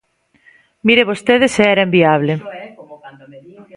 ¡Mire vostede se era inviable!